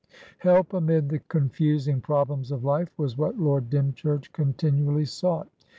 Help amid the confusing problems of life was what Lord Dymchurch continually sought.